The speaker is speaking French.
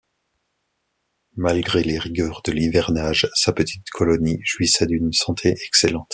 Malgré les rigueurs de l’hivernage, sa petite colonie jouissait d’une santé excellente.